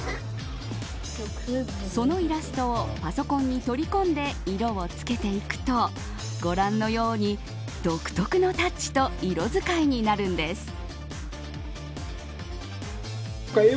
そのイラストをパソコンに取り込んで、色をつけていくとご覧のように独特のタッチと色使いになるんです。